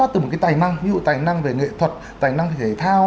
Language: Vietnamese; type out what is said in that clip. tài năng về nghệ thuật tài năng thể thao